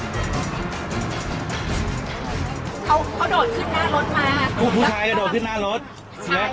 เขาเขาโดดขึ้นหน้ารถมาผู้ชายก็โดดขึ้นหน้ารถใช่